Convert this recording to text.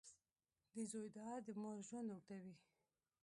• د زوی دعا د مور ژوند اوږدوي.